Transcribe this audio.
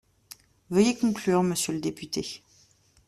Veuillez conclure, monsieur le député.